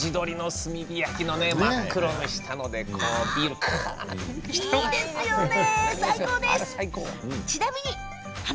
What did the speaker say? やっぱり地鶏の炭火焼きの真っ黒にしたのでビールをいいですよね最高です。